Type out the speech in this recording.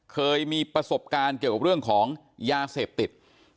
เคยมีประสบการณ์เกี่ยวกับเรื่องของยาเสพติด